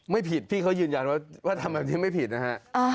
ไม่ผิดพี่เขายืนยันว่าทำแบบนี้ไม่ผิดนะฮะ